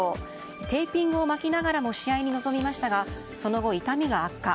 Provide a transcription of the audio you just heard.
テーピングを巻きながらも試合に臨みましたがその後、痛みが悪化。